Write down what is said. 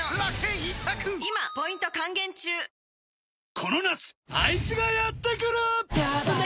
この夏アイツがやって来る！